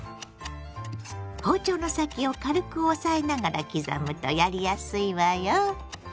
包丁の先を軽く押さえながら刻むとやりやすいわよ。